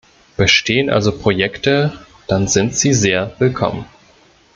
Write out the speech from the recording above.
Bestehen also Projekte, dann sind sie sehr willkommen.